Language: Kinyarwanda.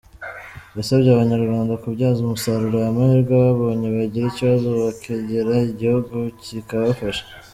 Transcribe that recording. Yasabye Abanyarwanda kubyaza umusaruro aya mahirwe babonye, bagira ikibazo bakegera igihugu kikabafasha.